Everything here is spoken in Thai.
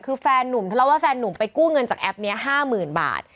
คือแฟนนุ่มทะเลาะแฟนหนุ่มไปกู้เงินจากแอปนี้๕๐๐๐บาท